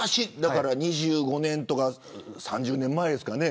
２５年とか３０年前ですかね。